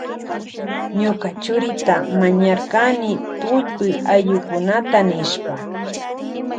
Ñuka churita mañarkani tullpuy ayllukunata nishpa.